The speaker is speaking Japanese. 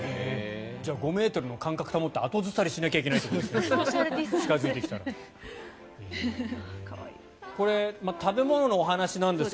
じゃあ５ｍの間隔を保って後ずさりしないといけないってことですね